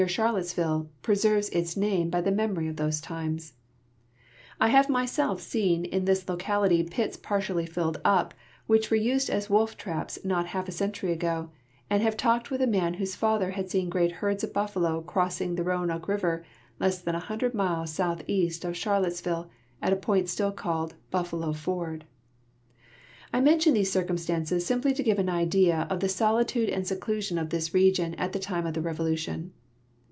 'harlottes ville, preserves by its name the memory of those times. I have 274 ALBEMARLE IN REVOLUTLONARY DAYS m}^self seen in tliis locality pits jxartially filled up, which Avere used as wolf traps not half a century ago, and have talked Avith a man Avhose father had seen great herds of buffalo crossing the Roanoke river less than a hundred miles southeast of Charlottes ville, at a point still called " Buffalo ford." I mention these circumstances simply to give an idea of the solitude and seclusion of this region at the time of the Revolution.